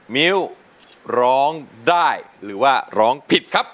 มิ้วร้องได้หรือว่าร้องผิดครับ